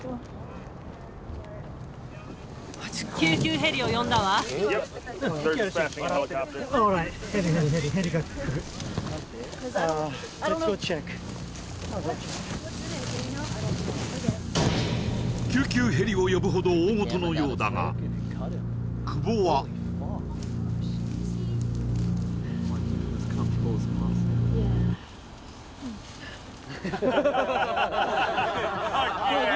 ヘリヘリヘリ救急ヘリを呼ぶほど大ごとのようだが久保は・ハハハＯＫ